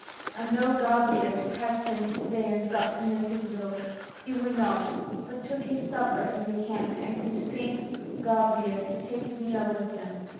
And though Gobryas pressed him to stay and sup in the citadel, he would not, but took his supper in the camp and constrained Gobryas to take his meal with them.